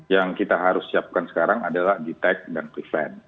yang kita harus siapkan sekarang adalah detect dan prevent